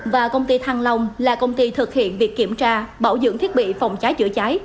và công ty thang long là công ty thực hiện việc kiểm tra bảo dưỡng thiết bị phòng trái chữa trái